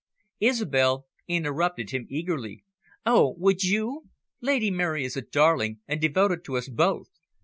Isobel interrupted him eagerly. "Oh, would you? Lady Mary is a darling, and devoted to us both.